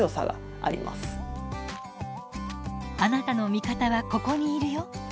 「あなたの味方はここにいるよ」。